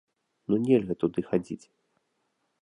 Ну нельга туды хадзіць!